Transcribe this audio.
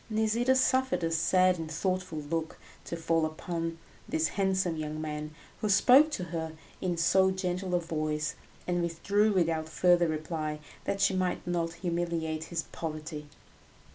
Nisida suffered a sad and thoughtful look to fall upon this handsome young man who spoke to her in so gentle a voice, and withdrew without further reply, that she might not humiliate his poverty.